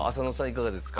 いかがですか？